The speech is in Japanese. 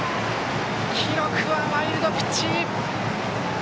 記録はワイルドピッチ！